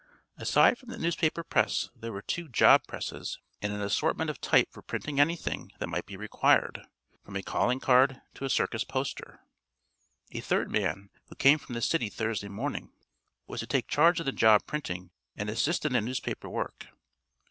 Aside from the newspaper press there were two "job" presses and an assortment of type for printing anything that might be required, from a calling card to a circus poster. A third man, who came from the city Thursday morning, was to take charge of the job printing and assist in the newspaper work.